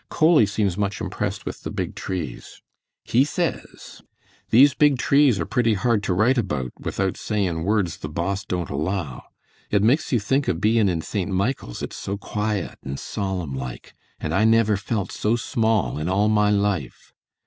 Coley seems much impressed with the big trees. He says:" "These big trees are pretty hard to write about without sayin' words the Boss don't allow. It makes you think of bein' in St. Michaels, it's so quiet and solemn like, and I never felt so small in all my life.